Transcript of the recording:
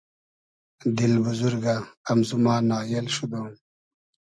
دیل بوزورگۂ امزو ما نایېل شودۉم